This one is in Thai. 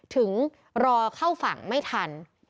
ถึงรอเข้าฝั่งไม่ทัน